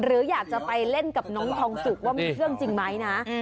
หรืออยากจะไปเล่นกับน้องทองสุกว่ามีเครื่องจริงไหมนะ